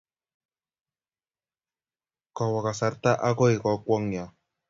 Kowok kasarta okoi kokwongyo.